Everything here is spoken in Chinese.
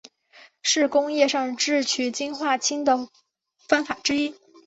是工业上制取氰化氢的方法之一。